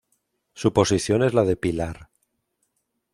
Su posición es la de pilar.